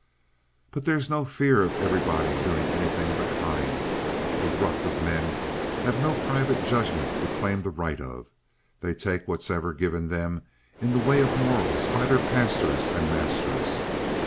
"But there's no fear of everybody doing anything of the kind. The ruck of men have no private judgment to claim the right of. They take whatever's given them in the way of morals by their pastors and masters.